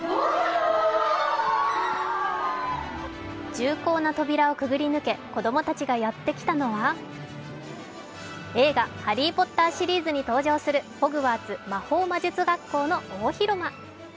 重厚な扉をくぐり抜け子供たちがやって来たのは映画「ハリー・ポッター」シリーズに登場するホグワーツ魔法魔術学校の大広間。